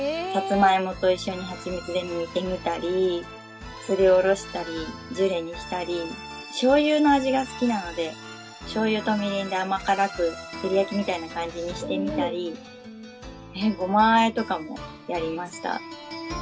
さつまいもと一緒に蜂蜜で煮てみたりすりおろしたりジュレにしたりしょうゆの味が好きなのでしょうゆとみりんで甘辛く照り焼きみたいな感じにしてみたりごまあえとかもやりました。